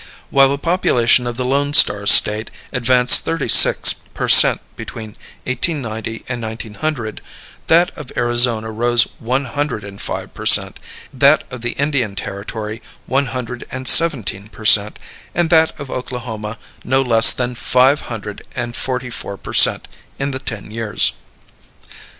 While the population of the Lone Star State advanced thirty six per cent between 1890 and 1900, that of Arizona rose one hundred and five per cent, that of the Indian Territory one hundred and seventeen per cent, and that of Oklahoma no less than five hundred and forty four per cent in the ten years.